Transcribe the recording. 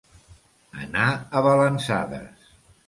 Anar a balançades.